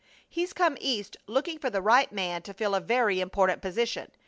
"He's come East looking for the right man to fill a very important position.